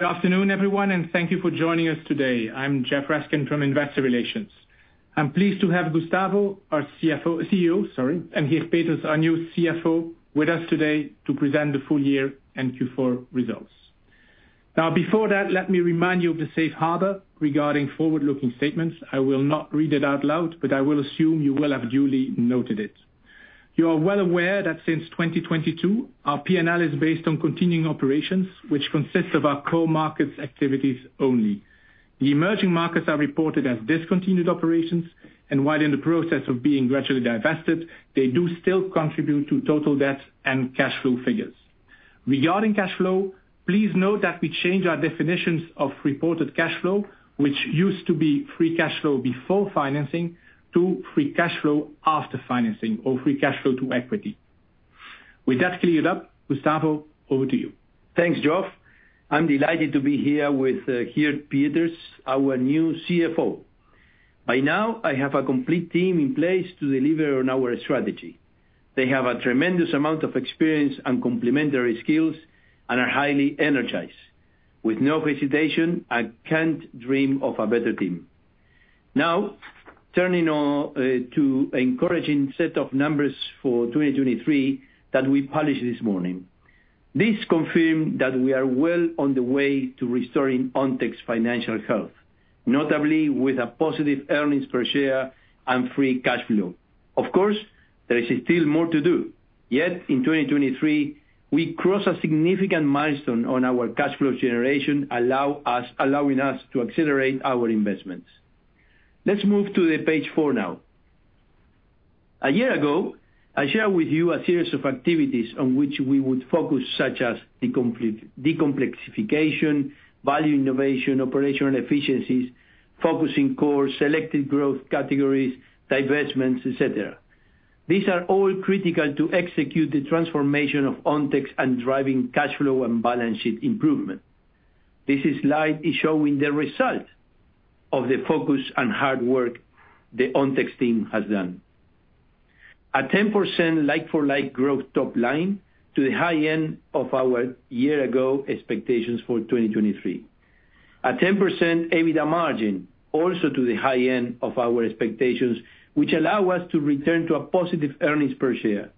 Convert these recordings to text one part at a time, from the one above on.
Good afternoon, everyone, and thank you for joining us today. I'm Geoffroy Raskin from Investor Relations. I'm pleased to have Gustavo, our CFO, CEO, sorry, and Geert Peeters, our new CFO with us today to present the full year and Q4 results. Now, before that, let me remind you of the safe harbor regarding forward-looking statements. I will not read it out loud, but I will assume you will have duly noted it. You are well aware that since 2022, our P&L is based on continuing operations, which consists of our core markets activities only. The emerging markets are reported as discontinued operations, and while in the process of being gradually divested, they do still contribute to total debt and cash flow figures. Regarding cash flow, please note that we change our definitions of reported cash flow, which used to be free cash flow before financing, to free cash flow after financing or free cash flow to equity. With that cleared up, Gustavo, over to you. Thanks, Geoff. I'm delighted to be here with Geert Peeters, our new CFO. By now, I have a complete team in place to deliver on our strategy. They have a tremendous amount of experience and complementary skills and are highly energized. With no hesitation, I can't dream of a better team. Now, turning on to encouraging set of numbers for 2023 that we published this morning. This confirm that we are well on the way to restoring Ontex financial health, notably with a positive earnings per share and free cash flow. Of course, there is still more to do. Yet, in 2023, we crossed a significant milestone on our cash flow generation, allowing us to accelerate our investments. Let's move to the page four now. A year ago, I shared with you a series of activities on which we would focus, such as decomplexification, value innovation, operational efficiencies, focusing core, selected growth categories, divestments, et cetera. These are all critical to execute the transformation of Ontex and driving cash flow and balance sheet improvement. This slide is showing the result of the focus and hard work the Ontex team has done. A 10% like-for-like growth top line to the high end of our year-ago expectations for 2023. A 10% EBITDA margin, also to the high end of our expectations, which allow us to return to a positive earnings per share.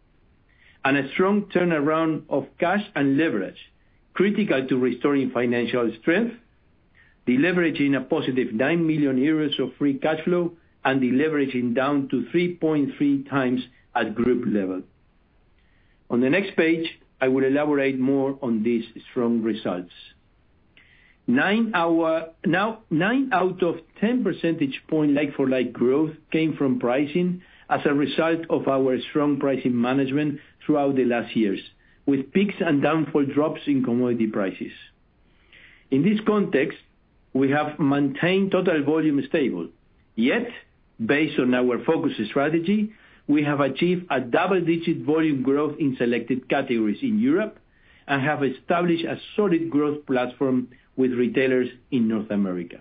A strong turnaround of cash and leverage, critical to restoring financial strength, deleveraging a positive 9 million euros of free cash flow, and deleveraging down to 3.3x at group level. On the next page, I will elaborate more on these strong results. Now, nine out of 10 percentage point like-for-like growth came from pricing as a result of our strong pricing management throughout the last years, with peaks and downfall drops in commodity prices. In this context, we have maintained total volume stable. Yet, based on our focus strategy, we have achieved a double-digit volume growth in selected categories in Europe and have established a solid growth platform with retailers in North America.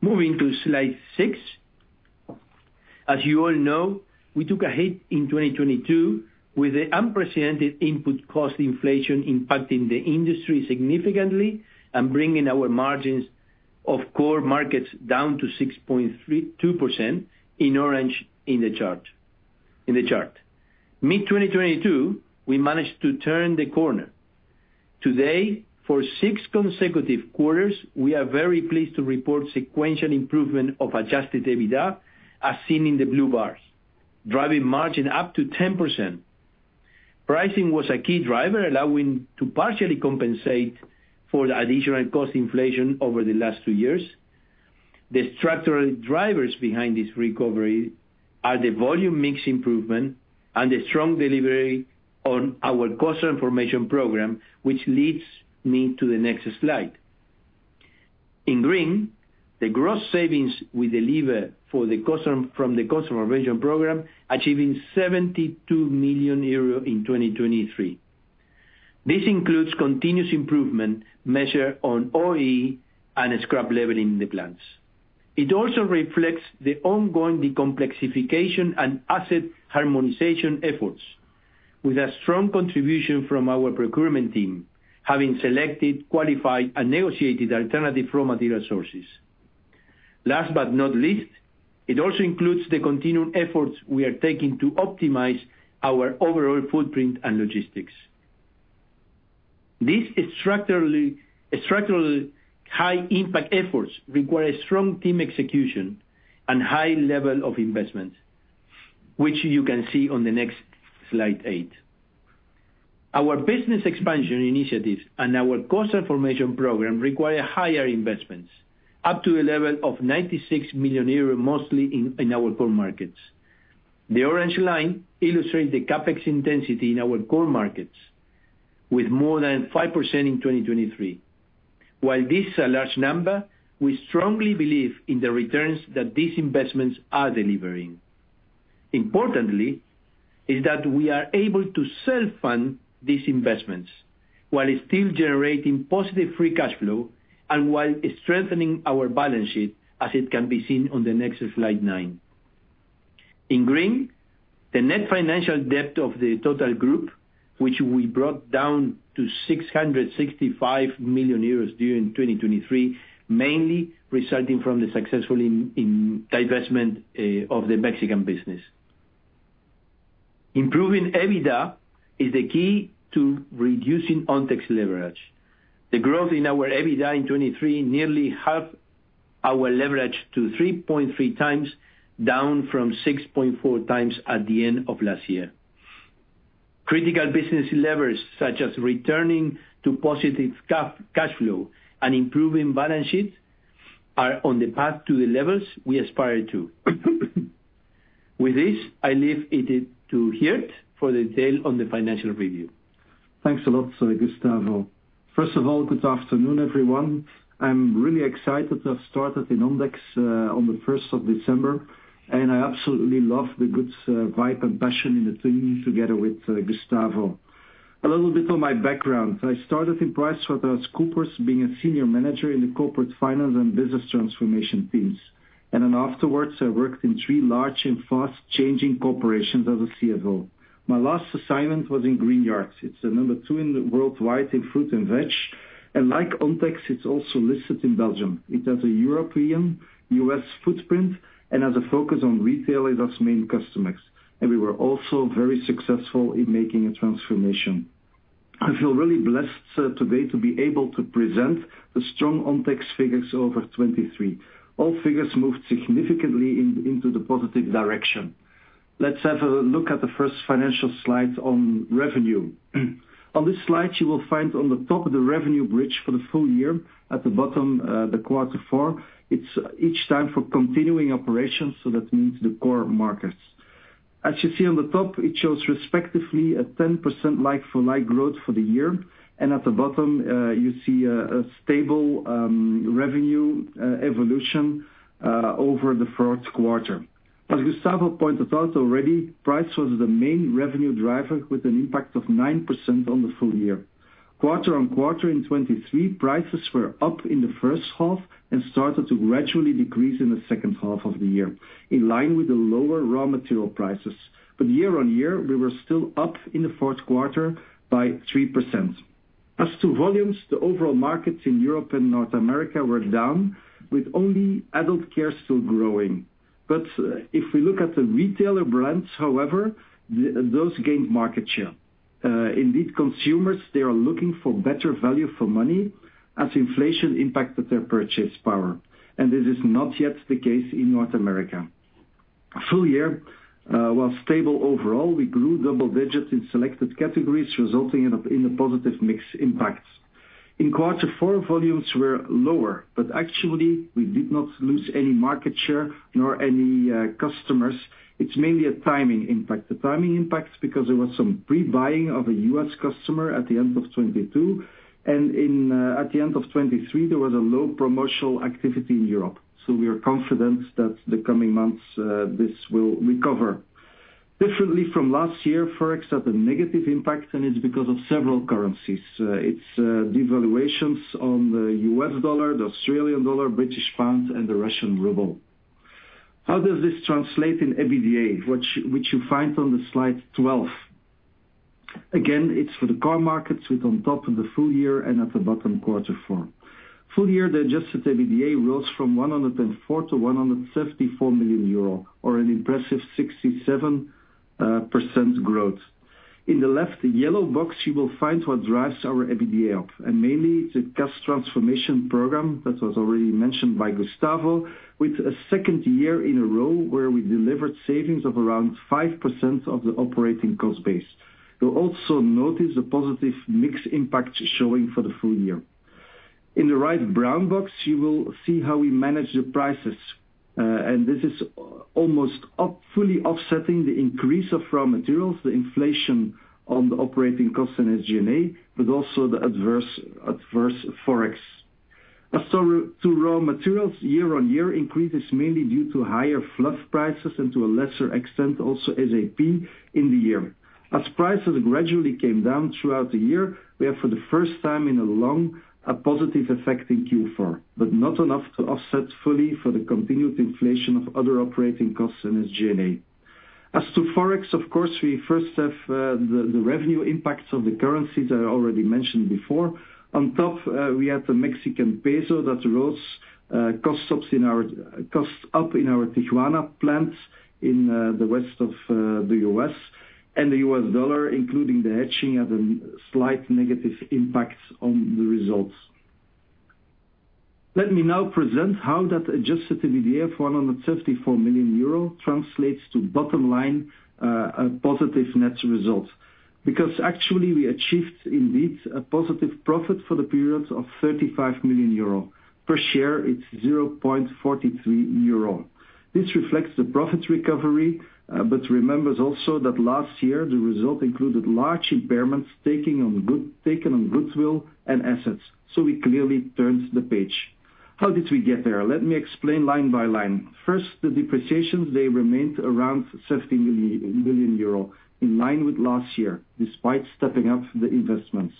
Moving to slide six. As you all know, we took a hit in 2022 with the unprecedented input cost inflation impacting the industry significantly and bringing our margins of core markets down to 6.32% in orange, in the chart, in the chart. Mid-2022, we managed to turn the corner. Today, for six consecutive quarters, we are very pleased to report sequential improvement of Adjusted EBITDA, as seen in the blue bars, driving margin up to 10%. Pricing was a key driver, allowing to partially compensate for the additional cost inflation over the last two years. The structural drivers behind this recovery are the volume mix improvement and the strong delivery on our cost information program, which leads me to the next slide. In green, the gross savings we deliver from the customer engagement program, achieving 72 million euros in 2023. This includes continuous improvement measure on OEE and scrap level in the plants. It also reflects the ongoing decomplexification and asset harmonization efforts, with a strong contribution from our procurement team, having selected, qualified, and negotiated alternative raw material sources. Last but not least, it also includes the continued efforts we are taking to optimize our overall footprint and logistics. These structurally high impact efforts require strong team execution and high level of investment, which you can see on the next slide eight. Our business expansion initiatives and our cost information program require higher investments, up to a level of 96 million euros, mostly in our core markets. The orange line illustrates the CapEx intensity in our core markets with more than 5% in 2023. While this is a large number, we strongly believe in the returns that these investments are delivering. Importantly, is that we are able to self-fund these investments while still generating positive free cash flow and while strengthening our balance sheet, as it can be seen on the next slide nine.... In green, the net financial debt of the total group, which we brought down to 665 million euros during 2023, mainly resulting from the successful divestment of the Mexican business. Improving EBITDA is the key to reducing Ontex leverage. The growth in our EBITDA in 2023 nearly halved our leverage to 3.3x, down from 6.4x at the end of last year. Critical business levers, such as returning to positive cash flow and improving balance sheets, are on the path to the levels we aspire to. With this, I leave it to Geert for the detail on the financial review. Thanks a lot, Sir Gustavo. First of all, good afternoon, everyone. I'm really excited to have started in Ontex on the first of December, and I absolutely love the good vibe and passion in the team together with Gustavo. A little bit on my background. I started in PricewaterhouseCoopers, being a senior manager in the corporate finance and business transformation teams, and then afterwards, I worked in three large and fast-changing corporations as a CFO. My last assignment was in Greenyard. It's the number two in the worldwide in fruit and veg, and like Ontex, it's also listed in Belgium. It has a European, U.S. footprint and has a focus on retailers as main customers, and we were also very successful in making a transformation. I feel really blessed today to be able to present the strong Ontex figures over 2023. All figures moved significantly in, into the positive direction. Let's have a look at the first financial slide on revenue. On this slide, you will find on the top, the revenue bridge for the full year, at the bottom, the quarter four. It's each time for continuing operations, so that means the core markets. As you see on the top, it shows respectively a 10% like-for-like growth for the year, and at the bottom, you see a stable revenue evolution over the fourth quarter. As Gustavo pointed out already, price was the main revenue driver, with an impact of 9% on the full year. Quarter-on-quarter in 2023, prices were up in the first half and started to gradually decrease in the second half of the year, in line with the lower raw material prices. But year-on-year, we were still up in the fourth quarter by 3%. As to volumes, the overall markets in Europe and North America were down, with only adult care still growing. But if we look at the retailer brands, however, those gained market share. Indeed, consumers, they are looking for better value for money as inflation impacted their purchase power, and this is not yet the case in North America. Full year, while stable overall, we grew double digits in selected categories, resulting in a positive mix impact. In quarter four, volumes were lower, but actually, we did not lose any market share nor any customers. It's mainly a timing impact. The timing impact is because there was some pre-buying of a U.S. customer at the end of 2022, and in at the end of 2023, there was a low promotional activity in Europe. So we are confident that the coming months, this will recover. Differently from last year, FOREX had a negative impact, and it's because of several currencies. It's devaluations on the U.S. dollar, the Australian dollar, British pound, and the Russian ruble. How does this translate in EBITDA? Which you find on the slide 12. Again, it's for the core markets, with on top of the full year and at the bottom, quarter four. Full year, the Adjusted EBITDA rose from 104 million euro to 174 million euro, or an impressive 67% growth. In the left yellow box, you will find what drives our EBITDA up, and mainly it's a cost transformation program that was already mentioned by Gustavo, with a second year in a row, where we delivered savings of around 5% of the operating cost base. You'll also notice a positive mix impact showing for the full year. In the right brown box, you will see how we manage the prices, and this is almost fully offsetting the increase of raw materials, the inflation on the operating costs and SG&A, but also the adverse FOREX. As to raw materials, year-on-year increase is mainly due to higher fluff prices and to a lesser extent, also SAP in the year. As prices gradually came down throughout the year, we have, for the first time in a long, a positive effect in Q4, but not enough to offset fully for the continued inflation of other operating costs in SG&A. As to FOREX, of course, we first have, the, the revenue impacts of the currencies that I already mentioned before. On top, we had the Mexican peso that rose, costs up in our Tijuana plant in, the west of, the U.S. And the U.S. dollar, including the hedging, had a slight negative impact on the results. Let me now present how that Adjusted EBITDA of 174 million euro translates to bottom line, a positive net result. Because actually, we achieved indeed, a positive profit for the period of 35 million euro. Per share, it's 0.43 euro. This reflects the profit recovery, but remember also that last year, the result included large impairments taken on goodwill and assets, so we clearly turned the page. How did we get there? Let me explain line by line. First, the depreciations, they remained around 50 million, in line with last year, despite stepping up the investments.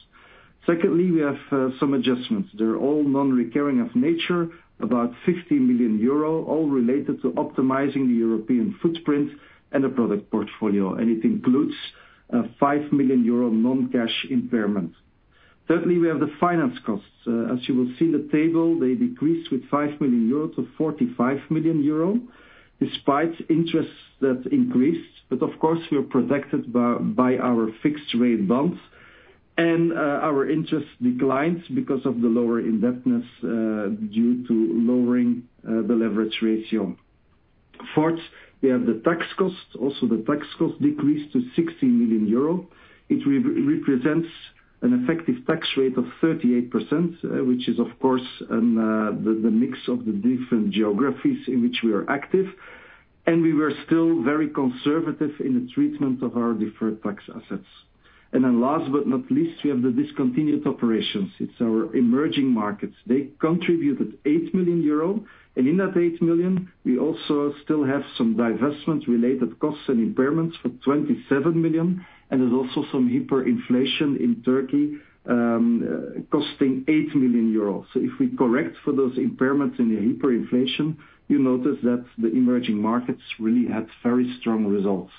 Secondly, we have some adjustments. They're all non-recurring of nature, about 60 million euro, all related to optimizing the European footprint and the product portfolio, and it includes a 5 million euro non-cash impairment. Thirdly, we have the finance costs. As you will see in the table, they decreased with 5 million euro to 45 million euro, despite interests that increased. But of course, we are protected by our fixed rate bonds, and our interest declines because of the lower indebtedness due to lowering the leverage ratio. Fourth, we have the tax costs. Also, the tax costs decreased to 60 million euro. It represents an effective tax rate of 38%, which is, of course, the mix of the different geographies in which we are active, and we were still very conservative in the treatment of our deferred tax assets. And then last but not least, we have the discontinued operations. It's our emerging markets. They contributed 8 million euro, and in that 8 million, we also still have some divestment-related costs and impairments for 27 million, and there's also some hyperinflation in Turkey costing 8 million euro. So if we correct for those impairments in the hyperinflation, you notice that the emerging markets really had very strong results.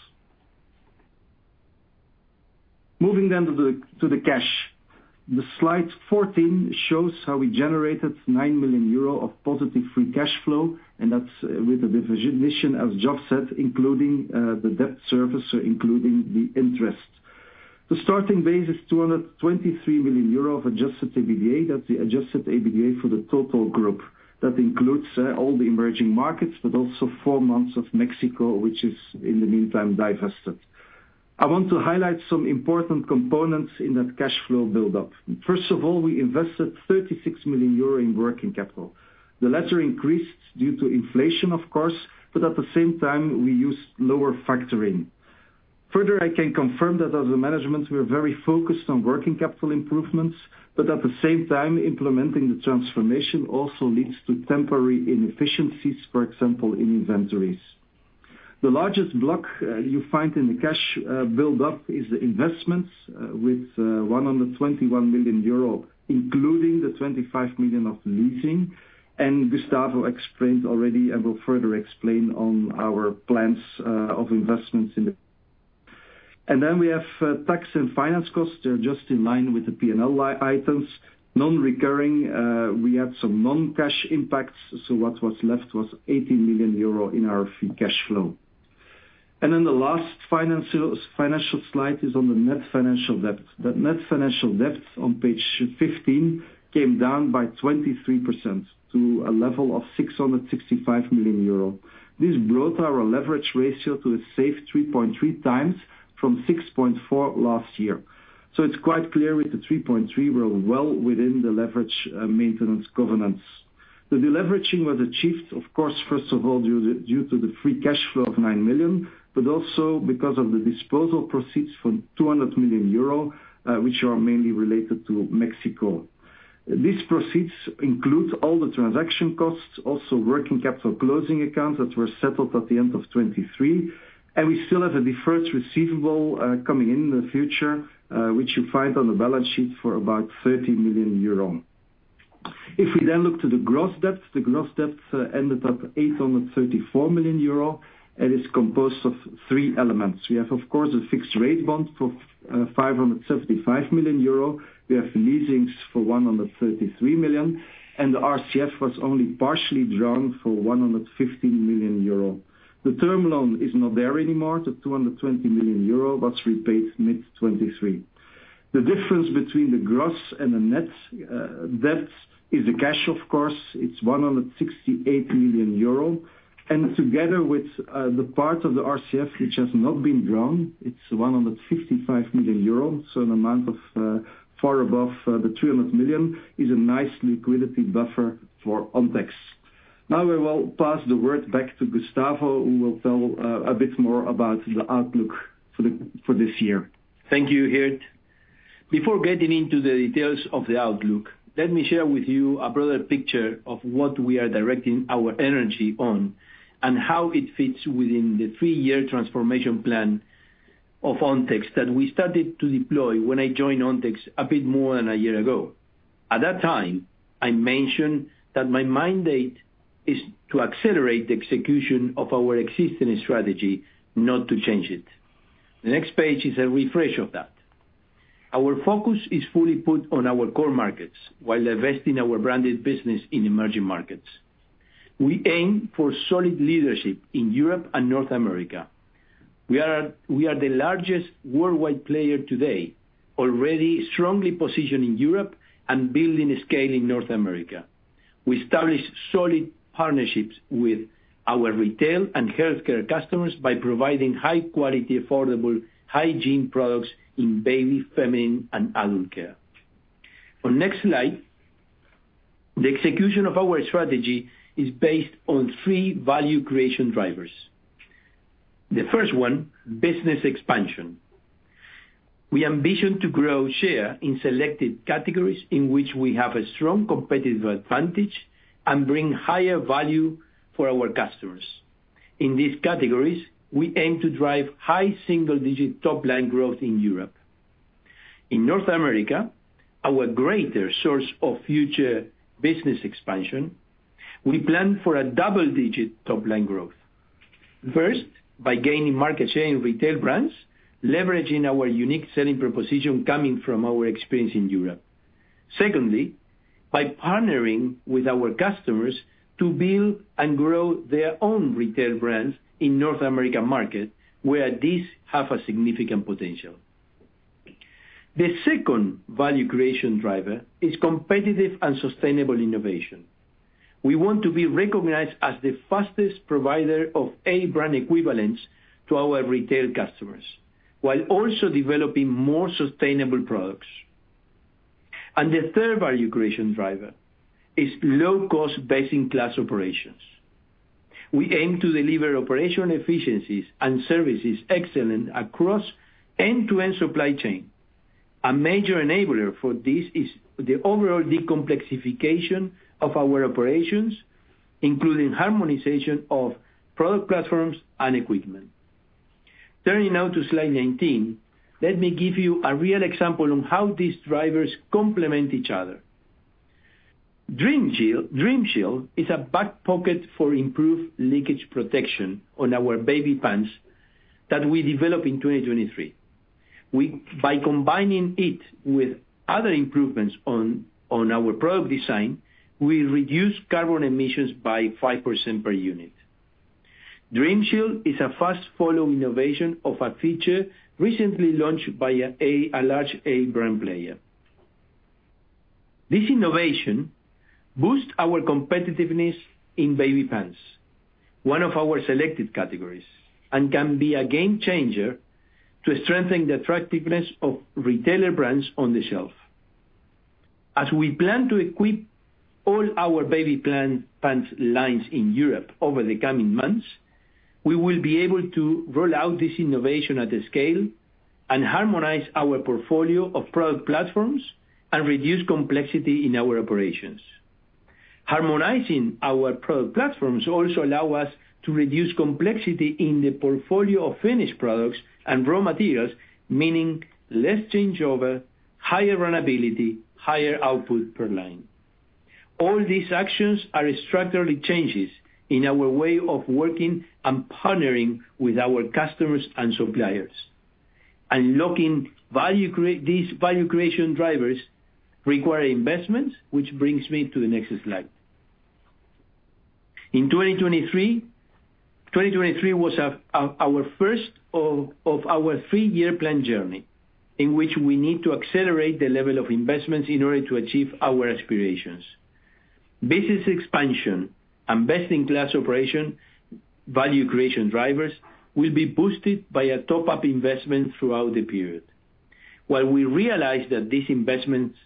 Moving down to the cash. The slide 14 shows how we generated 9 million euro of positive free cash flow, and that's with the division as Geoff said, including the debt service, including the interest. The starting base is 223 million euro of Adjusted EBITDA. That's the Adjusted EBITDA for the total group. That includes all the emerging markets, but also four months of Mexico, which is in the meantime, divested. I want to highlight some important components in that cash flow buildup. First of all, we invested 36 million euro in working capital. The latter increased due to inflation, of course, but at the same time, we used lower factoring. Further, I can confirm that as a management, we're very focused on working capital improvements, but at the same time, implementing the transformation also leads to temporary inefficiencies, for example, in inventories. The largest block you find in the cash buildup is the investments with 121 million euro, including the 25 million of leasing, and Gustavo explained already and will further explain on our plans of investments in the... And then we have tax and finance costs. They're just in line with the P&L line items. Non-recurring, we had some non-cash impacts, so what was left was 80 million euro in our free cash flow. And then the last financial slide is on the net financial debt. That net financial debt on page 15 came down by 23% to a level of 665 million euro. This brought our leverage ratio to a safe 3.3x from 6.4x last year. So it's quite clear with the 3.3x, we're well within the leverage maintenance governance. The deleveraging was achieved, of course, first of all, due to the free cash flow of 9 million, but also because of the disposal proceeds from 200 million euro, which are mainly related to Mexico. These proceeds include all the transaction costs, also working capital closing accounts that were settled at the end of 2023, and we still have a deferred receivable coming in in the future, which you find on the balance sheet for about 30 million euro. If we then look to the gross debt, the gross debt ended up 834 million euro, and is composed of three elements. We have, of course, a fixed rate bond for 575 million euro. We have leases for 133 million, and the RCF was only partially drawn for 115 million euro. The term loan is not there anymore, the 220 million euro was repaid mid-2023. The difference between the gross and the net debt is the cash, of course, it's 168 million euro, and together with the part of the RCF, which has not been drawn, it's 155 million euro. So an amount of far above the 300 million is a nice liquidity buffer for Ontex. Now, I will pass the word back to Gustavo, who will tell a bit more about the outlook for this year. Thank you, Geert. Before getting into the details of the outlook, let me share with you a broader picture of what we are directing our energy on, and how it fits within the three-year transformation plan of Ontex that we started to deploy when I joined Ontex a bit more than a year ago. At that time, I mentioned that my mandate is to accelerate the execution of our existing strategy, not to change it. The next page is a refresh of that. Our focus is fully put on our core markets while investing our branded business in emerging markets. We aim for solid leadership in Europe and North America. We are the largest worldwide player today, already strongly positioned in Europe and building a scale in North America. We establish solid partnerships with our retail and healthcare customers by providing high quality, affordable hygiene products in baby, feminine, and adult care. On next slide, the execution of our strategy is based on three value creation drivers. The first one, business expansion. We ambition to grow share in selected categories in which we have a strong competitive advantage and bring higher value for our customers.... In these categories, we aim to drive high single-digit top line growth in Europe. In North America, our greater source of future business expansion, we plan for a double-digit top line growth. First, by gaining market share in retail brands, leveraging our unique selling proposition coming from our experience in Europe. Secondly, by partnering with our customers to build and grow their own retail brands in North American market, where these have a significant potential. The second value creation driver is competitive and sustainable innovation. We want to be recognized as the fastest provider of A brand equivalence to our retail customers, while also developing more sustainable products. The third value creation driver is low cost, best-in-class operations. We aim to deliver operational efficiencies and services excellent across end-to-end supply chain. A major enabler for this is the overall de-complexification of our operations, including harmonization of product platforms and equipment. Turning now to slide 19, let me give you a real example on how these drivers complement each other. Dreamshield is a back pocket for improved leakage protection on our baby pants that we developed in 2023. By combining it with other improvements on our product design, we reduce carbon emissions by 5% per unit. Dream Shield is a fast follow innovation of a feature recently launched by a large A brand player. This innovation boosts our competitiveness in baby pants, one of our selected categories, and can be a game changer to strengthen the attractiveness of retailer brands on the shelf. As we plan to equip all our baby pants lines in Europe over the coming months, we will be able to roll out this innovation at the scale and harmonize our portfolio of product platforms, and reduce complexity in our operations. Harmonizing our product platforms also allow us to reduce complexity in the portfolio of finished products and raw materials, meaning less changeover, higher runnability, higher output per line. All these actions are structural changes in our way of working and partnering with our customers and suppliers. Unlocking value creation drivers require investments, which brings me to the next slide. In 2023 was our first of our three-year plan journey, in which we need to accelerate the level of investments in order to achieve our aspirations. Business expansion and best-in-class operation value creation drivers will be boosted by a top-up investment throughout the period. While we realize that these investments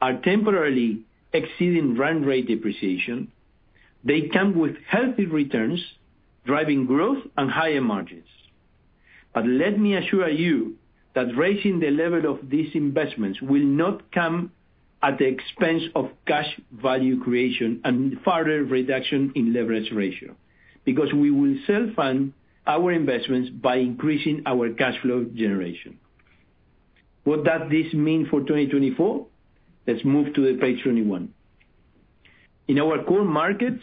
are temporarily exceeding run rate depreciation, they come with healthy returns, driving growth and higher margins. But let me assure you, that raising the level of these investments will not come at the expense of cash value creation and further reduction in leverage ratio, because we will self-fund our investments by increasing our cash flow generation. What does this mean for 2024? Let's move to the page 21. In our core markets,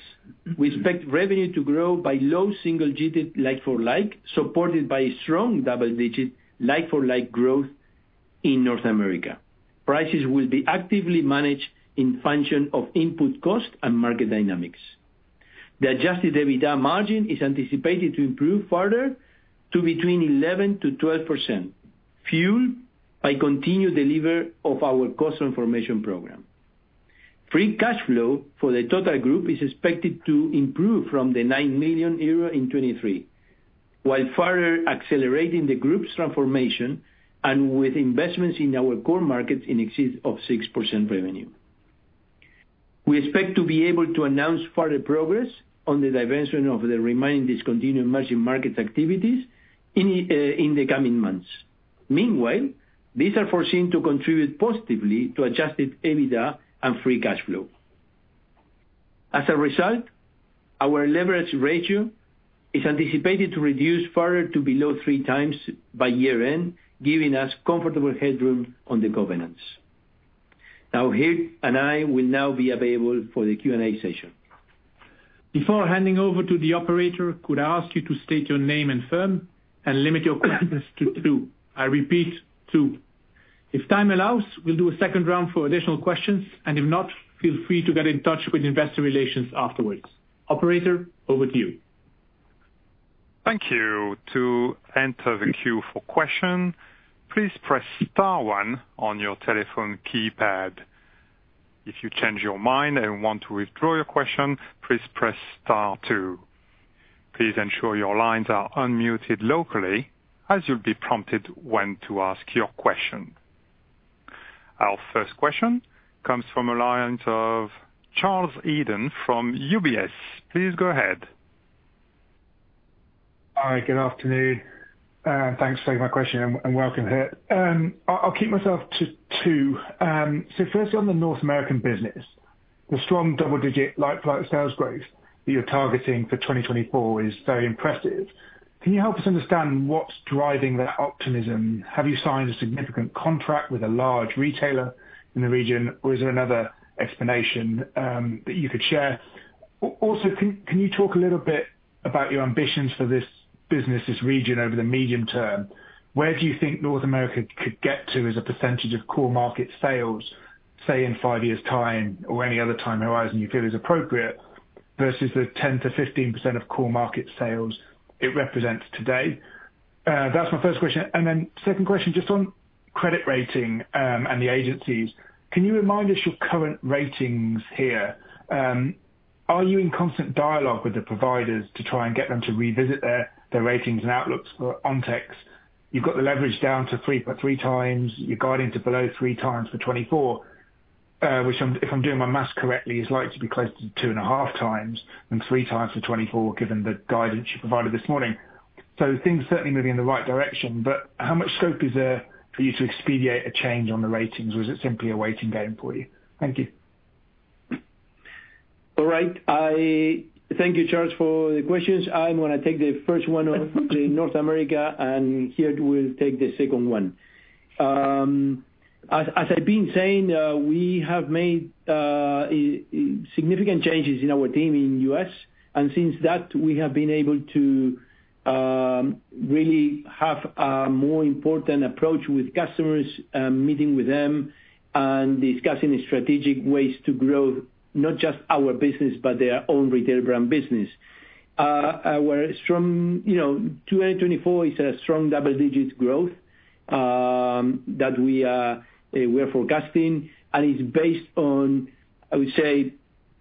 we expect revenue to grow by low single digits, like-for-like, supported by strong double-digit, like-for-like growth in North America. Prices will be actively managed in function of input cost and market dynamics. The Adjusted EBITDA margin is anticipated to improve further to between 11%-12%, fueled by continued delivery of our cost transformation program. Free cash flow for the total group is expected to improve from the 9 million euro in 2023, while further accelerating the group's transformation and with investments in our core markets in excess of 6% revenue. We expect to be able to announce further progress on the divestment of the remaining discontinued emerging markets activities in the coming months. Meanwhile, these are foreseen to contribute positively to Adjusted EBITDA and free cash flow. As a result, our leverage ratio is anticipated to reduce further to below 3x by year-end, giving us comfortable headroom on the governance. Now, Geert and I will now be available for the Q&A session. Before handing over to the operator, could I ask you to state your name and firm, and limit your questions to two? I repeat, two. If time allows, we'll do a second round for additional questions, and if not, feel free to get in touch with investor relations afterwards. Operator, over to you. Thank you. To enter the queue for question, please press star one on your telephone keypad. If you change your mind and want to withdraw your question, please press star two. Please ensure your lines are unmuted locally as you'll be prompted when to ask your question. Our first question comes from a line of Charles Eden from UBS. Please go ahead. Hi, good afternoon, and thanks for taking my question, and welcome here. I'll keep myself to two. So firstly, on the North American business, the strong double-digit like-for-like sales growth that you're targeting for 2024 is very impressive. Can you help us understand what's driving that optimism? Have you signed a significant contract with a large retailer in the region, or is there another explanation that you could share? Also, can you talk a little bit about your ambitions for this business, this region, over the medium term? Where do you think North America could get to as a percentage of core market sales, say, in five years time, or any other time horizon you feel is appropriate, versus the 10%-15% of core market sales it represents today? That's my first question. And then second question, just on credit rating, and the agencies. Can you remind us your current ratings here? Are you in constant dialogue with the providers to try and get them to revisit their, their ratings and outlooks for Ontex? You've got the leverage down to 3.3 times, you're guiding to below 3 times for 2024, which I'm—if I'm doing my math correctly, is likely to be closer to 2.5 times than 3 times for 2024, given the guidance you provided this morning. So things are certainly moving in the right direction, but how much scope is there for you to expedite a change on the ratings, or is it simply a waiting game for you? Thank you. All right. I thank you, Charles, for the questions. I'm gonna take the first one on the North America, and Geert will take the second one. As I've been saying, we have made significant changes in our team in U.S., and since that, we have been able to really have a more important approach with customers, meeting with them and discussing the strategic ways to grow, not just our business, but their own retail brand business. Where from, you know, 2024 is a strong double-digit growth that we are forecasting, and it's based on, I would say,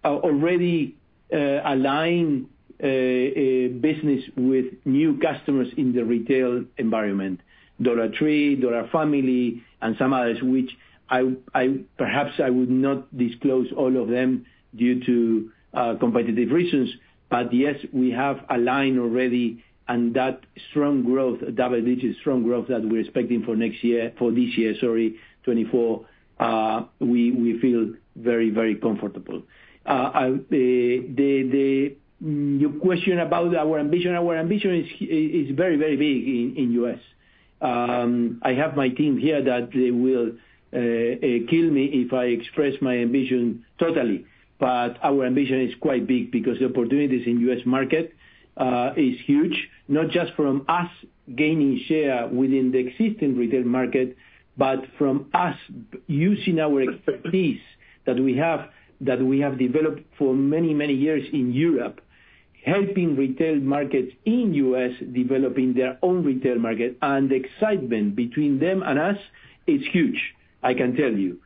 already align a business with new customers in the retail environment, Dollar Tree, Family Dollar, and some others, which I perhaps would not disclose all of them due to competitive reasons. But yes, we have aligned already, and that strong growth, double-digit strong growth, that we're expecting for next year, for this year, sorry, 2024, we feel very, very comfortable. Your question about our ambition, our ambition is very, very big in the U.S. I have my team here that they will kill me if I express my ambition totally. But our ambition is quite big because the opportunities in U.S. market is huge. Not just from us gaining share within the existing retail market, but from us using our expertise that we have developed for many, many years in Europe, helping retail markets in U.S., developing their own retail market, and the excitement between them and us is huge, I can tell you.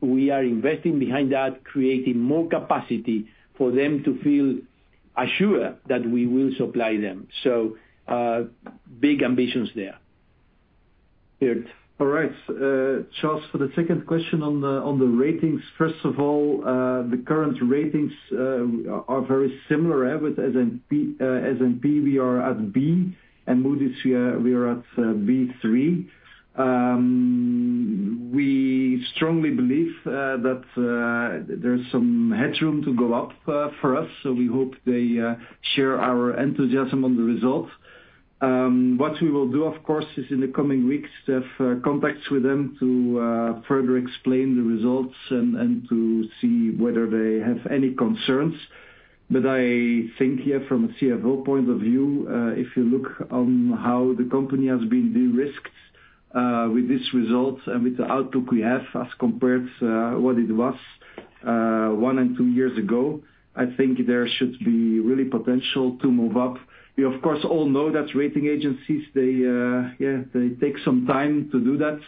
We are investing behind that, creating more capacity for them to feel assured that we will supply them. So, big ambitions there. Geert? All right. Charles, for the second question on the, on the ratings. First of all, the current ratings are very similar with S&P. S&P, we are at B, and Moody's, we are, we are at B3. We strongly believe that there's some headroom to go up for us, so we hope they share our enthusiasm on the results. What we will do, of course, is in the coming weeks, have contacts with them to further explain the results and to see whether they have any concerns. But I think here from a CFO point of view, if you look on how the company has been de-risked, with this result and with the outlook we have as compared to what it was one and two years ago, I think there should be really potential to move up. We, of course, all know that rating agencies, they take some time to do that.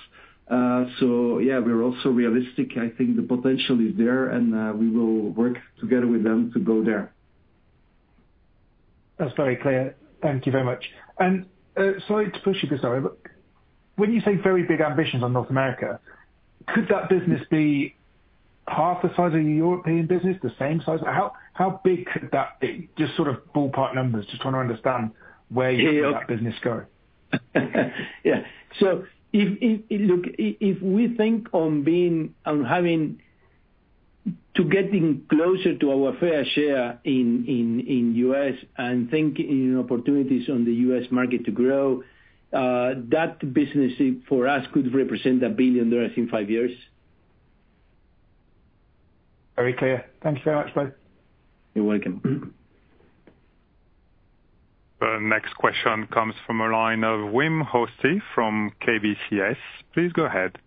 So we're also realistic. I think the potential is there, and we will work together with them to go there. That's very clear. Thank you very much. Sorry to push you, but when you say very big ambitions on North America, could that business be half the size of the European business, the same size? How big could that be? Just sort of ballpark numbers, just trying to understand where you see that business going. Yeah. So if we think about getting closer to our fair share in the U.S. and thinking opportunities on the U.S. market to grow, that business for us could represent $1 billion in five years. Very clear. Thank you very much, bye. You're welcome. The next question comes from the line of Wim Hoste from KBCS. Please go ahead.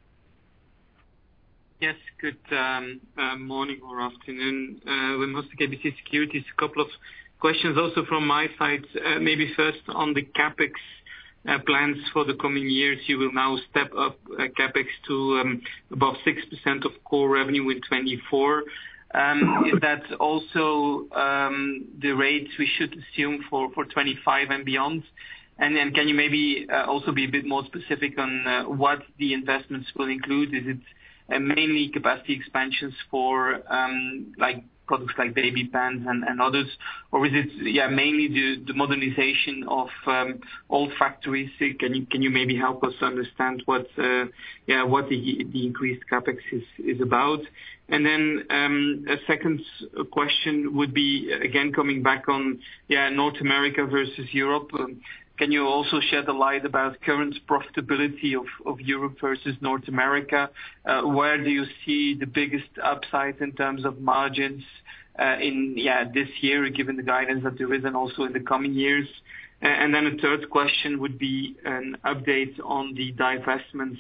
Yes, good morning or afternoon, Wim Hoste, KBC Securities. A couple of questions also from my side, maybe first on the CapEx. ... plans for the coming years, you will now step up CapEx to above 6% of core revenue in 2024. Is that also the rates we should assume for 25 and beyond? And then can you maybe also be a bit more specific on what the investments will include? Is it mainly capacity expansions for like products like baby pants and others, or is it mainly the modernization of old factories? Can you maybe help us understand what the increased CapEx is about? And then a second question would be, again, coming back on North America versus Europe. Can you also shed the light about current profitability of Europe versus North America? Where do you see the biggest upside in terms of margins, in, yeah, this year, given the guidance that there is and also in the coming years? And then the third question would be an update on the divestments.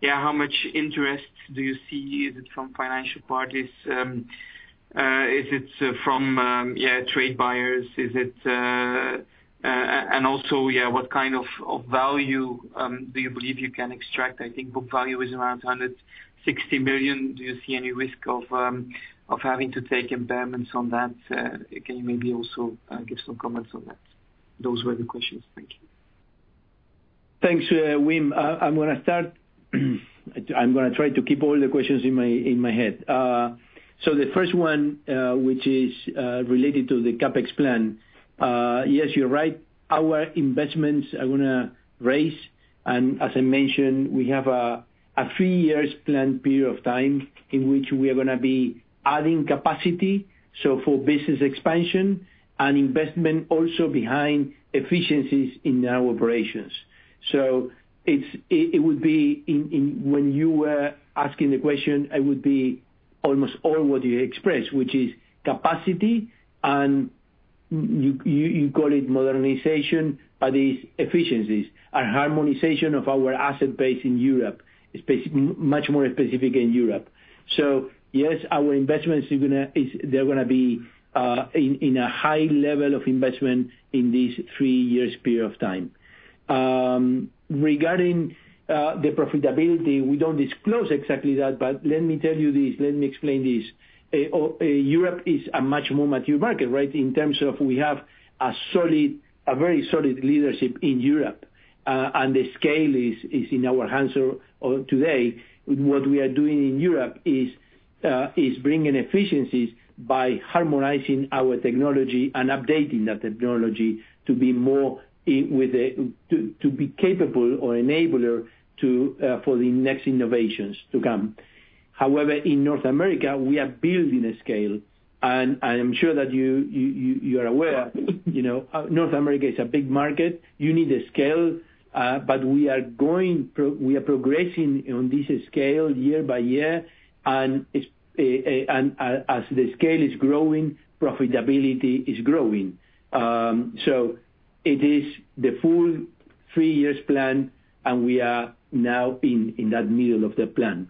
Yeah, how much interest do you see? Is it from financial parties? Is it from, yeah, trade buyers? Is it... And also, yeah, what kind of value do you believe you can extract? I think book value is around 160 million. Do you see any risk of having to take impairments on that? Can you maybe also give some comments on that? Those were the questions. Thank you. Thanks, Wim. I'm gonna start. I'm gonna try to keep all the questions in my head. So the first one, which is related to the CapEx plan. Yes, you're right. Our investments are gonna raise, and as I mentioned, we have a three years plan period of time in which we are gonna be adding capacity, so for business expansion and investment also behind efficiencies in our operations. So it would be in. When you were asking the question, it would be almost all what you expressed, which is capacity, and you call it modernization, but is efficiencies and harmonization of our asset base in Europe, is much more specific in Europe. So yes, our investments is gonna, they're gonna be in a high level of investment in this three years period of time. Regarding the profitability, we don't disclose exactly that, but let me tell you this, let me explain this. Europe is a much more mature market, right? In terms of we have a solid, a very solid leadership in Europe, and the scale is in our hands today. What we are doing in Europe is bringing efficiencies by harmonizing our technology and updating the technology to be more to be capable or enabler to for the next innovations to come. However, in North America, we are building a scale, and I am sure that you are aware, you know, North America is a big market. You need a scale, but we are progressing on this scale year by year, and it's, and as the scale is growing, profitability is growing. So it is the full three years plan, and we are now in that middle of the plan.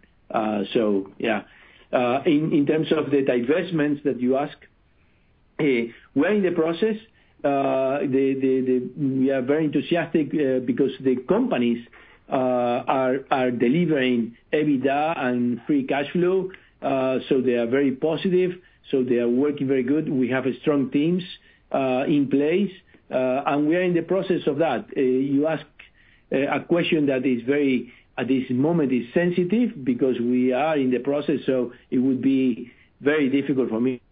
So yeah. In terms of the divestments that you ask, we're in the process. We are very enthusiastic, because the companies are delivering EBITDA and free cash flow, so they are very positive, so they are working very good. We have strong teams in place, and we are in the process of that. You ask a question that is very, at this moment, is sensitive because we are in the process, so it would be very difficult for me,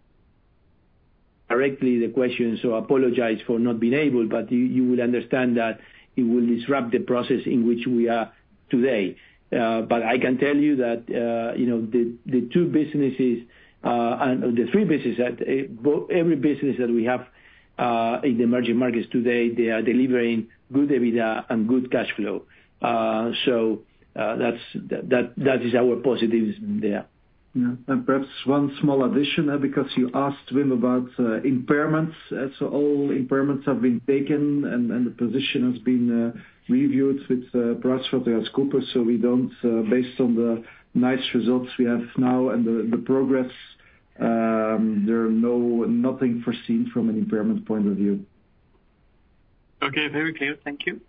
directly the question, so apologize for not being able, but you, you would understand that it will disrupt the process in which we are today. But I can tell you that, you know, the, the two businesses and the three businesses that, both, every business that we have in the emerging markets today, they are delivering good EBITDA and good cash flow. So, that's, that, that is our positives there. Yeah. Perhaps one small addition, because you asked Wim about impairments. So all impairments have been taken, and the position has been reviewed with PricewaterhouseCoopers, so we don't... Based on the nice results we have now and the progress, there is nothing foreseen from an impairment point of view. Okay, very clear. Thank you.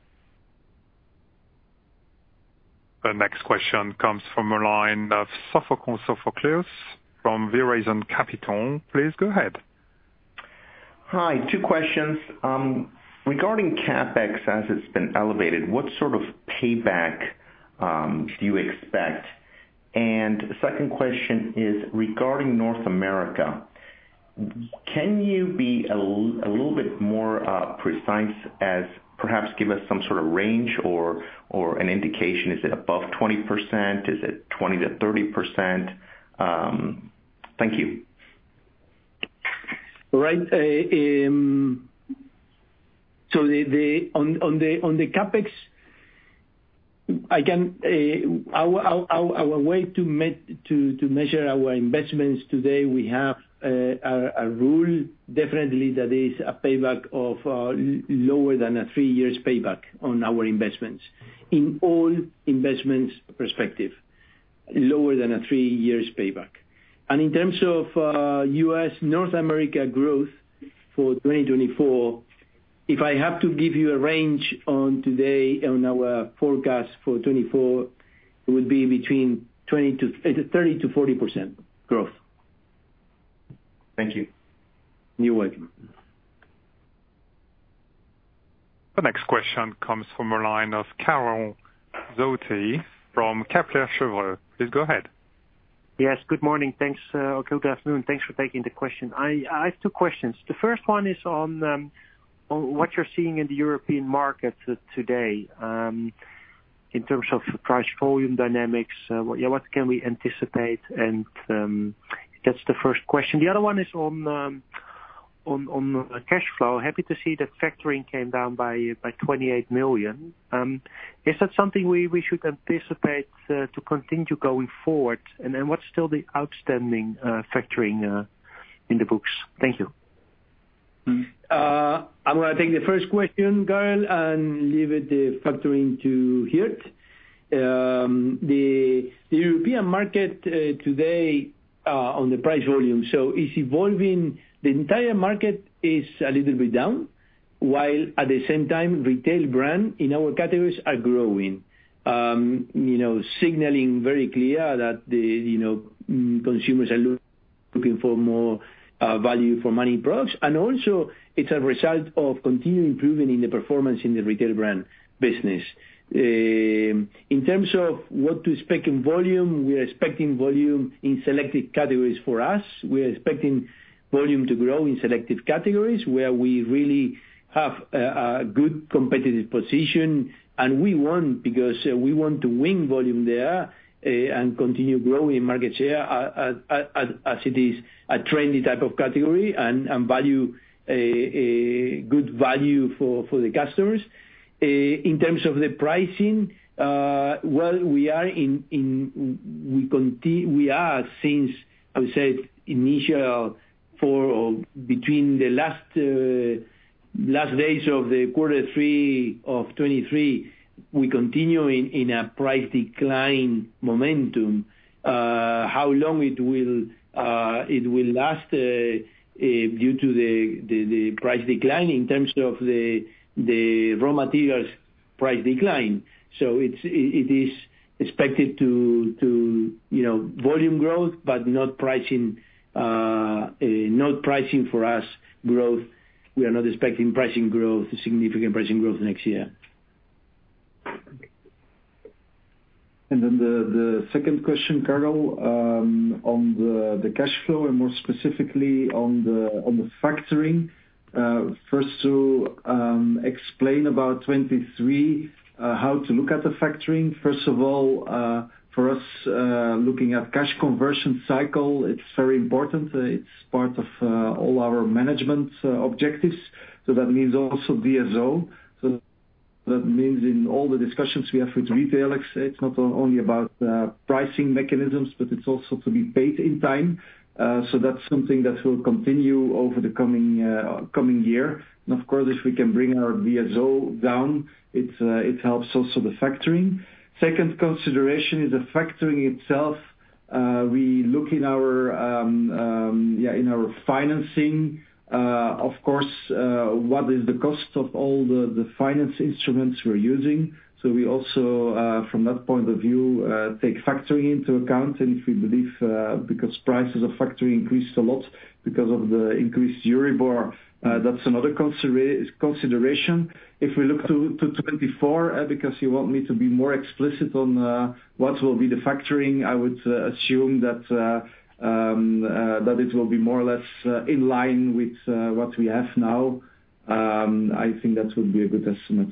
The next question comes from the line of Sophocles Sophocleous from VERAISON Capital. Please go ahead. Hi, two questions. Regarding CapEx, as it's been elevated, what sort of payback do you expect? And second question is regarding North America. Can you be a little bit more precise as perhaps give us some sort of range or an indication, is it above 20%? Is it 20%-30%? Thank you. Right. So on the CapEx, our way to measure our investments today, we have a rule definitely that is a payback of lower than a three-year payback on our investments, in all investments perspective, lower than a three-year payback. And in terms of U.S. North America growth for 2024, if I have to give you a range today on our forecast for 2024, it would be between 30-40% growth. Thank you. You're welcome. The next question comes from the line of Karel Zoete from Kepler Cheuvreux. Please go ahead. Yes, good morning. Thanks, or good afternoon. Thanks for taking the question. I have two questions. The first one is on what you're seeing in the European market today, in terms of price volume dynamics, what can we anticipate? And, that's the first question. The other one is on cash flow. Happy to see that factoring came down by 28 million. Is that something we should anticipate to continue going forward? And then what's still the outstanding factoring in the books? Thank you. I'm gonna take the first question, Karel, and leave the factoring to Geert. The European market today on the price volume, so it's evolving. The entire market is a little bit down, while at the same time, retail brand in our categories are growing. You know, signaling very clear that the consumers are looking for more value for money products. And also, it's a result of continued improving in the performance in the retail brand business. In terms of what to expect in volume, we're expecting volume in selected categories for us. We're expecting volume to grow in selective categories where we really have a good competitive position, and we want, because we want to win volume there, and continue growing in market share as, as it is a trendy type of category and value, a good value for the customers. In terms of the pricing, well, we are in. We are since, I would say, initial for between the last last days of the quarter three of 2023, we continue in a price decline momentum. How long it will it will last due to the price decline in terms of the raw materials price decline. So it's it is expected to, you know, volume growth, but not pricing not pricing for us growth. We are not expecting pricing growth, significant pricing growth next year. Then the second question, Karel, on the cash flow and more specifically on the factoring. First to explain about 2023, how to look at the factoring. First of all, for us, looking at cash conversion cycle, it's very important. It's part of all our management objectives, so that means also DSO. So that means in all the discussions we have with retail, it's not only about pricing mechanisms, but it's also to be paid in time. So that's something that will continue over the coming year. And of course, if we can bring our DSO down, it helps also the factoring. Second consideration is the factoring itself. We look in our, yeah, in our financing, of course, what is the cost of all the, the finance instruments we're using? So we also, from that point of view, take factoring into account, and if we believe, because prices of factoring increased a lot because of the increased Euribor, that's another consideration. If we look to 2024, because you want me to be more explicit on what will be the factoring, I would assume that it will be more or less in line with what we have now. I think that would be a good estimate.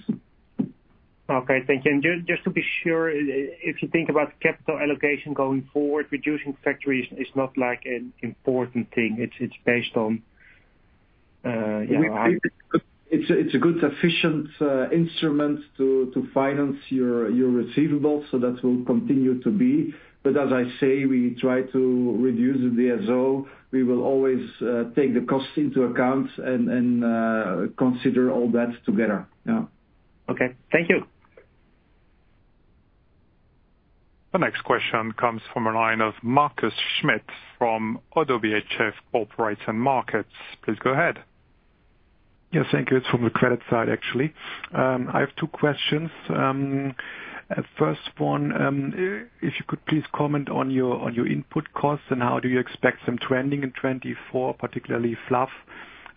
Okay, thank you. Just to be sure, if you think about capital allocation going forward, reducing factories is not like an important thing. It's based on. It's a good, efficient instrument to finance your receivables, so that will continue to be. But as I say, we try to reduce the DSO. We will always take the cost into account and consider all that together. Yeah. Okay. Thank you. The next question comes from a line of Markus Schmitt from ODDO BHF Corporate and Markets. Please go ahead. Yes, thank you. It's from the credit side, actually. I have two questions. First one, if you could please comment on your input costs, and how do you expect them trending in 2024, particularly fluff,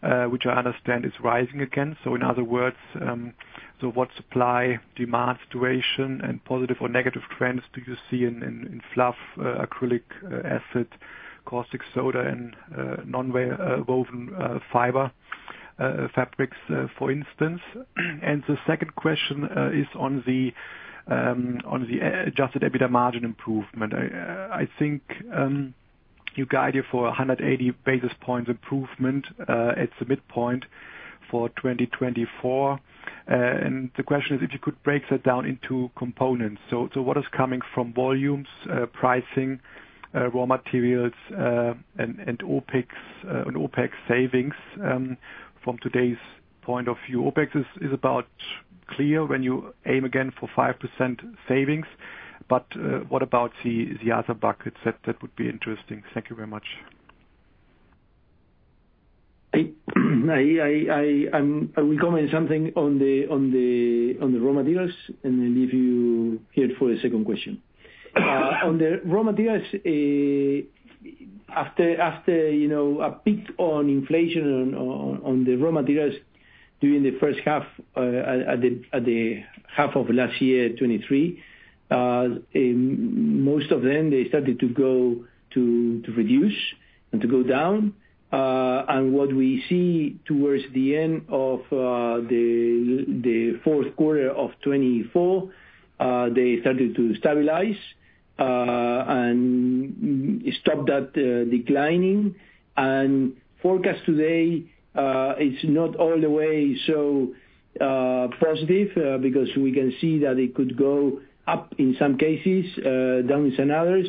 which I understand is rising again. So in other words, so what supply, demand situation and positive or negative trends do you see in fluff, acrylic acid, caustic soda and nonwoven fiber fabrics, for instance? And the second question is on the Adjusted EBITDA margin improvement. I think you guided for 180 basis points improvement at the midpoint for 2024. And the question is if you could break that down into components. So what is coming from volumes, pricing, raw materials, and OpEx, and OpEx savings, from today's point of view? OpEx is about?... clear when you aim again for 5% savings, but what about the other buckets? That would be interesting. Thank you very much. I will comment something on the raw materials, and then leave you here for the second question. On the raw materials, after you know a peak on inflation on the raw materials during the first half, at the half of last year, 2023, most of them they started to reduce and to go down. And what we see towards the end of the fourth quarter of 2024, they started to stabilize and stop that declining. And forecast today is not all the way so positive, because we can see that it could go up in some cases, down in others.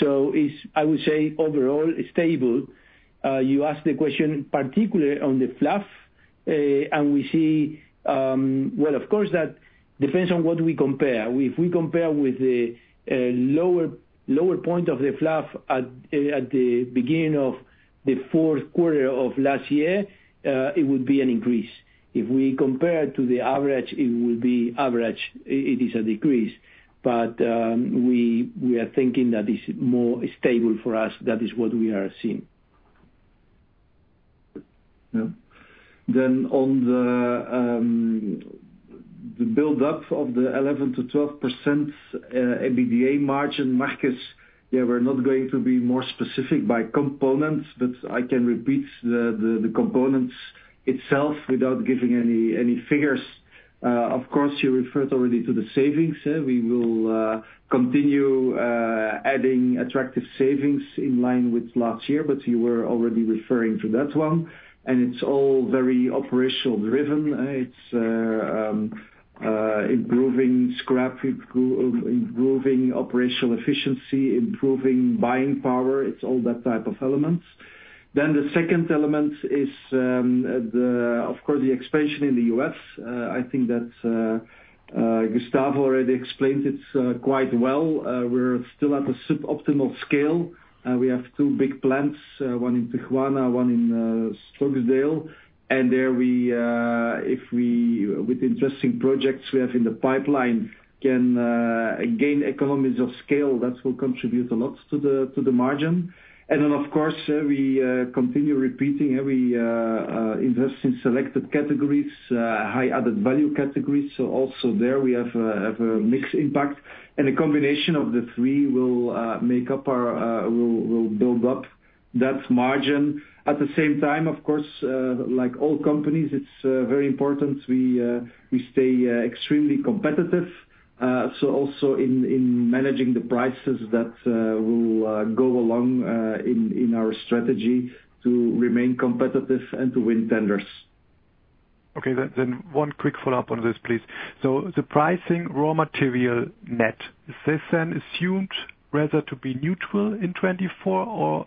So it's, I would say overall it's stable. You asked the question, particularly on the fluff, and we see. Well, of course, that depends on what we compare. If we compare with the lower, lower point of the fluff at the beginning of the fourth quarter of last year, it would be an increase. If we compare to the average, it will be average, it is a decrease. But, we are thinking that it's more stable for us. That is what we are seeing. Yeah. Then on the build up of the 11%-12% EBITDA margin markets, yeah, we're not going to be more specific by components, but I can repeat the components itself without giving any figures. Of course, you referred already to the savings, eh? We will continue adding attractive savings in line with last year, but you were already referring to that one, and it's all very operational driven. It's improving scrap, improving operational efficiency, improving buying power, it's all that type of elements. Then the second element is, of course, the expansion in the U.S. I think that Gustavo already explained it quite well. We're still at a suboptimal scale. We have two big plants, one in Tijuana, one in Stokesdale. There we, if we with interesting projects we have in the pipeline, can gain economies of scale, that will contribute a lot to the margin. And then, of course, we continue repeating, we invest in selected categories, high added value categories. So also there we have a mixed impact, and a combination of the three will make up our, will build up that margin. At the same time, of course, like all companies, it's very important we stay extremely competitive, so also in managing the prices that will go along, in our strategy to remain competitive and to win tenders. Okay. Then one quick follow-up on this, please. So the pricing raw material net, is this then assumed rather to be neutral in 2024 or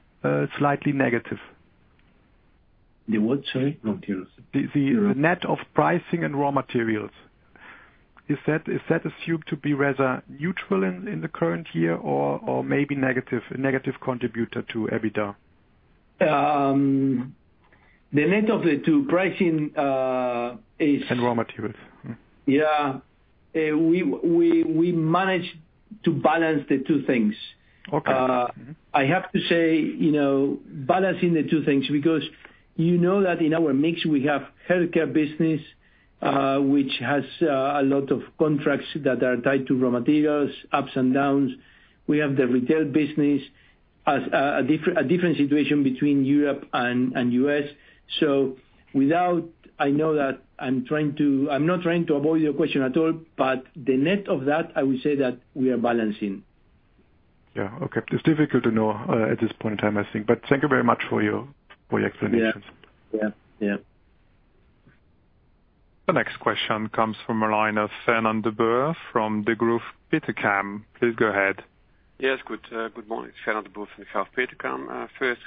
slightly negative? The what, sorry? Raw materials. The net of pricing and raw materials. Is that assumed to be rather neutral in the current year or maybe negative, a negative contributor to EBITDA? The net of the two, pricing, is- Raw materials. Yeah. We managed to balance the two things. Okay. I have to say, you know, balancing the two things, because you know that in our mix, we have healthcare business, which has a lot of contracts that are tied to raw materials, ups and downs. We have the retail business as a different situation between Europe and U.S. So without... I know that I'm trying to... I'm not trying to avoid your question at all, but the net of that, I would say that we are balancing. Yeah. Okay. It's difficult to know at this point in time, I think. But thank you very much for your explanations. Yeah. Yeah. Yeah. The next question comes from the line of Fernand De Boer from Degroof Petercam. Please go ahead. Yes, good morning. Fernand de Boer from Degroof Petercam. First,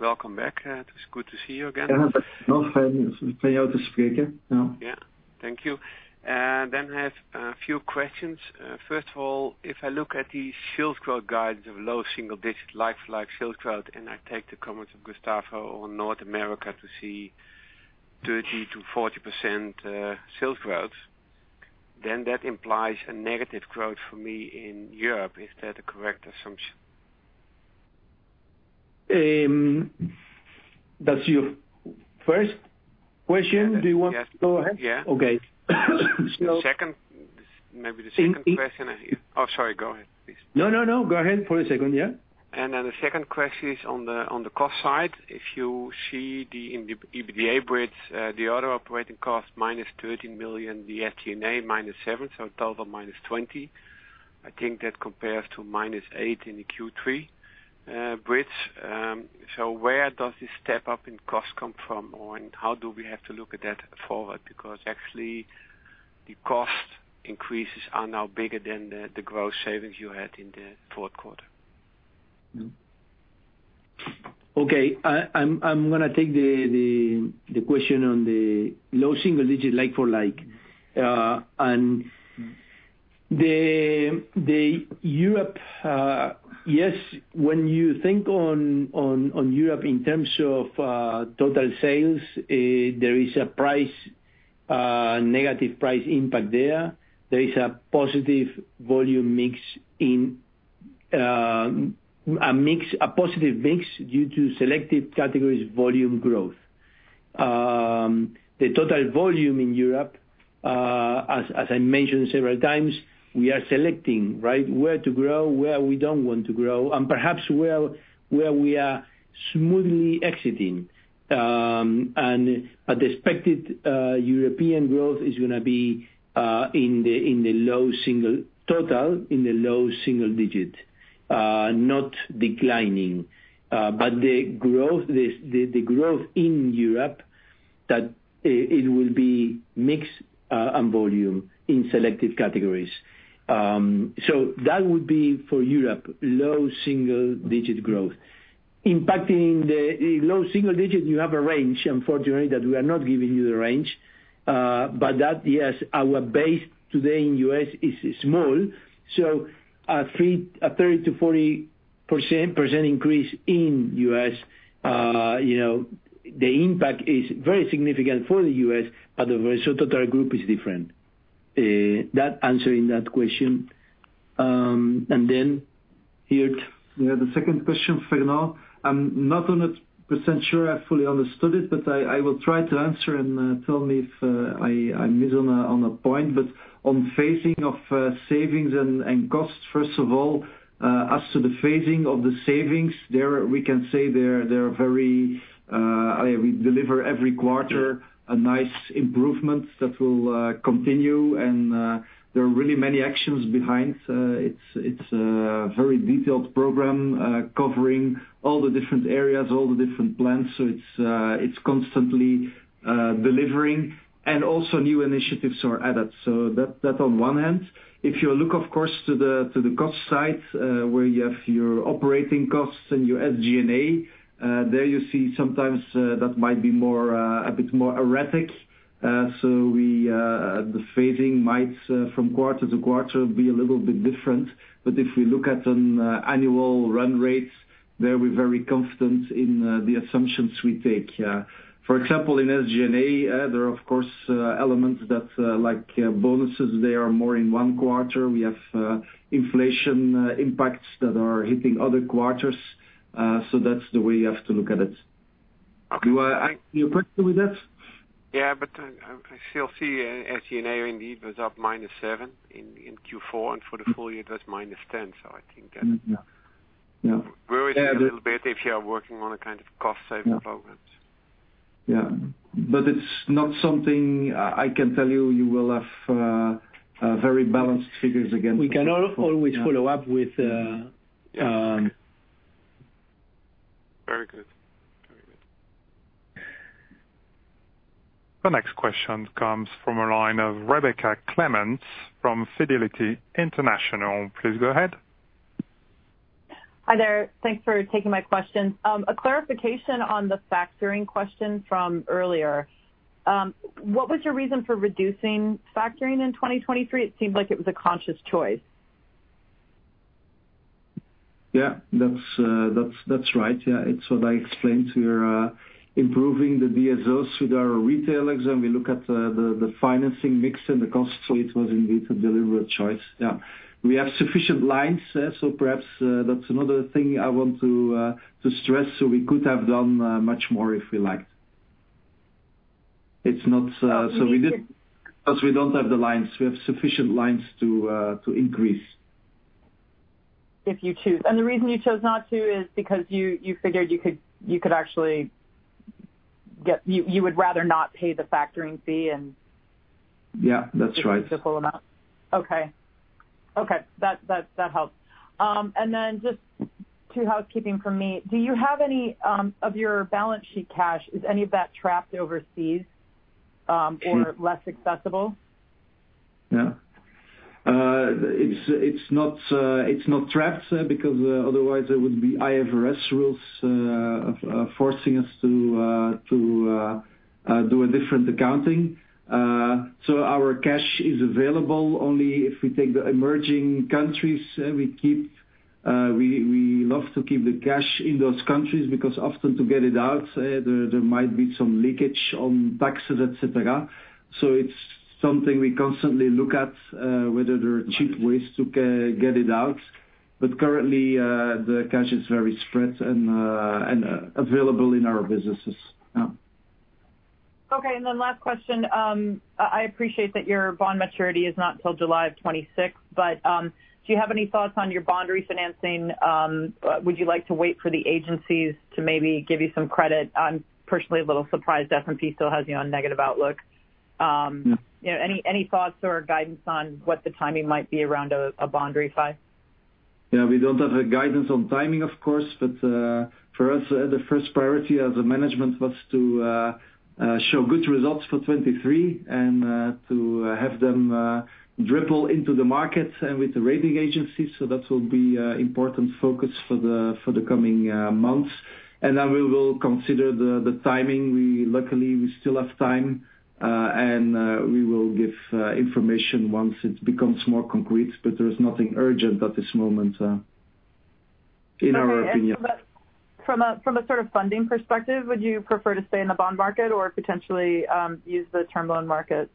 welcome back, it's good to see you again. Fernand, Yeah. Thank you. I have a few questions. First of all, if I look at the sales growth guidance of low single-digit like-for-like sales growth, and I take the comments of Gustavo on North America to see 30%-40% sales growth, then that implies a negative growth for me in Europe. Is that a correct assumption? That's your first question? Yeah. Do you want to go ahead? Yeah. Okay. So- The second, maybe the second question- I- Oh, sorry, go ahead, please. No, no, no. Go ahead for a second. Yeah. Then the second question is on the cost side. If you see the EBITDA bridge, the other operating cost, -13 million, the SG&A, -7 million, so a total of -20 million. I think that compares to -8 million in the Q3 bridge. So where does this step up in cost come from, or how do we have to look at that forward? Because actually, the cost increases are now bigger than the growth savings you had in the fourth quarter. Mm-hmm. Okay, I'm gonna take the question on the low single-digit like-for-like. And in Europe, yes, when you think on Europe in terms of total sales, there is a negative price impact there. There is a positive volume mix, a positive mix due to selective categories volume growth. The total volume in Europe, as I mentioned several times, we are selecting, right, where to grow, where we don't want to grow, and perhaps where we are smoothly exiting. But the expected European growth is gonna be in the low single-digit total, in the low single-digit, not declining. But the growth in Europe, that it will be mix and volume in selective categories. So that would be for Europe, low single digit growth. Impacting the low single digit, you have a range, unfortunately, that we are not giving you the range. But that, yes, our base today in U.S. is small, so a 30%-40% increase in U.S., you know, the impact is very significant for the U.S., but the rest of total group is different. That answering that question, and then Geert? Yeah, the second question, Fernand, I'm not 100% sure I fully understood it, but I will try to answer and tell me if I miss on a point. But on phasing of savings and costs, first of all, as to the phasing of the savings, there we can say they're very... I mean, we deliver every quarter a nice improvement that will continue, and there are really many actions behind. It's a very detailed program covering all the different areas, all the different plans, so it's constantly delivering, and also new initiatives are added. So that on one hand. If you look, of course, to the cost side, where you have your operating costs and your SG&A, there you see sometimes that might be more a bit more erratic. So the phasing might from quarter to quarter be a little bit different. But if we look at an annual run rates, there we're very confident in the assumptions we take. For example, in SG&A, there are of course elements that like bonuses, they are more in one quarter. We have inflation impacts that are hitting other quarters. So that's the way you have to look at it. Okay. Are you okay with that? Yeah, but, I still see SG&A indeed was up -7 in Q4, and for the full year it was -10. So I think that- Yeah. Yeah. Worries me a little bit if you are working on a kind of cost-saving program. Yeah. But it's not something I can tell you. You will have a very balanced figures against- We can always follow up with, Very good. Very good. The next question comes from the line of Rebecca Clements from Fidelity International. Please go ahead. Hi, there. Thanks for taking my question. A clarification on the factoring question from earlier. What was your reason for reducing factoring in 2023? It seemed like it was a conscious choice. Yeah, that's right. Yeah, it's what I explained to you improving the DSOs with our retailer mix. We look at the financing mix and the cost, so it was indeed a deliberate choice. Yeah. We have sufficient lines, so perhaps that's another thing I want to stress, so we could have done much more if we liked. It's not because we don't have the lines. We have sufficient lines to increase. If you choose. And the reason you chose not to is because you figured you could actually get-- you would rather not pay the factoring fee and- Yeah, that's right. Simple enough. Okay. Okay, that helps. And then just two housekeeping from me. Do you have any of your balance sheet cash? Is any of that trapped overseas or less accessible? Yeah. It's not trapped because otherwise there would be IFRS rules forcing us to do a different accounting. So our cash is available only if we take the emerging countries. We love to keep the cash in those countries, because often to get it out, there might be some leakage on taxes, et cetera. So it's something we constantly look at, whether there are cheap ways to get it out. But currently, the cash is very spread and available in our businesses. Yeah. Okay, and then last question. I appreciate that your bond maturity is not till July 2026, but do you have any thoughts on your bond refinancing? Would you like to wait for the agencies to maybe give you some credit? I'm personally a little surprised S&P still has you on negative outlook. Yeah. You know, any thoughts or guidance on what the timing might be around a bond refi? Yeah, we don't have a guidance on timing, of course, but for us, the first priority as a management was to show good results for 2023 and to have them dribble into the market and with the rating agencies. So that will be important focus for the coming months. Then we will consider the timing. We luckily still have time, and we will give information once it becomes more concrete, but there is nothing urgent at this moment in our opinion. From a sort of funding perspective, would you prefer to stay in the bond market or potentially use the term loan market?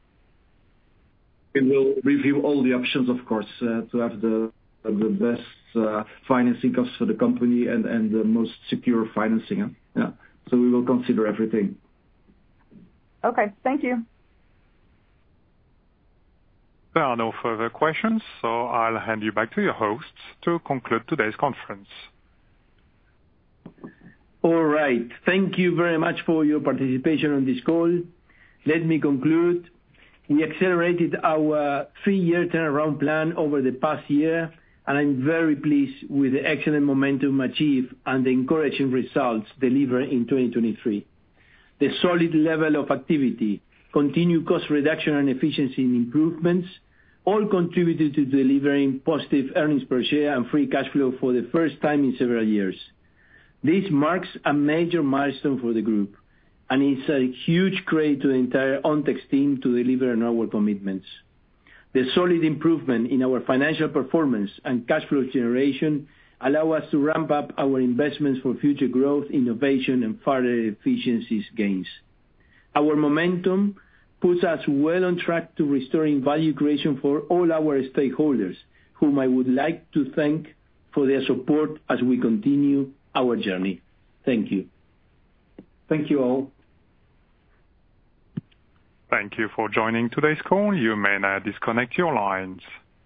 We will review all the options, of course, to have the best financing costs for the company and the most secure financing. Yeah. So we will consider everything. Okay. Thank you. There are no further questions, so I'll hand you back to your host to conclude today's conference. All right. Thank you very much for your participation on this call. Let me conclude. We accelerated our three-year turnaround plan over the past year, and I'm very pleased with the excellent momentum achieved and the encouraging results delivered in 2023. The solid level of activity, continued cost reduction and efficiency improvements, all contributed to delivering positive earnings per share and free cash flow for the first time in several years. This marks a major milestone for the group, and it's a huge credit to the entire Ontex team to deliver on our commitments. The solid improvement in our financial performance and cash flow generation allow us to ramp up our investments for future growth, innovation, and further efficiencies gains. Our momentum puts us well on track to restoring value creation for all our stakeholders, whom I would like to thank for their support as we continue our journey. Thank you. Thank you all. Thank you for joining today's call. You may now disconnect your lines.